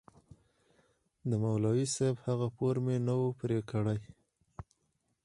د مولوي صاحب هغه پور مې نه و پرې کړى.